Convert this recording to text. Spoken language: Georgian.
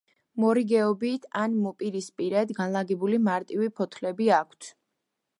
მორიგეობით ან მოპირისპირედ განლაგებული მარტივი ფოთლები აქვთ.